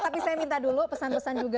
tapi saya minta dulu pesan pesan juga